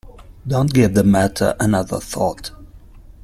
Don't give the matter another thought.